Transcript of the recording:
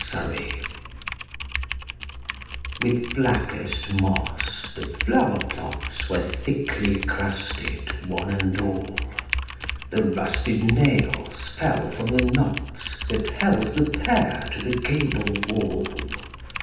0 Autoplay WITH BLACKEST moss the flower plots Were thickly crusted, one and all: The rusted nails fell from the knots That held the pear to the gable wall.